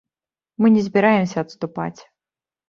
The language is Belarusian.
Мы не збіраемся адступаць.